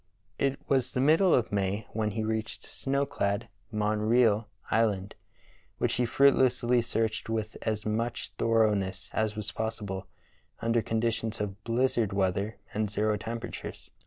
It was the middle of May when he reached snow clad Montreal Island, which he fruitlessly searched with as much thoroughness as was possible under conditions of blizzard weather and zero temperatures.